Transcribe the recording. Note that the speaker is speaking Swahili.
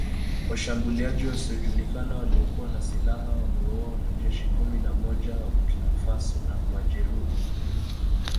Washambuliaji wasiojulikana waliokuwa na silaha wamewaua wanajeshi kumi na moja wa Burkina Faso na kuwajeruhi